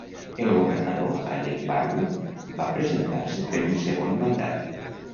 El governador Haley Barbour va presentar-se per un segon mandat.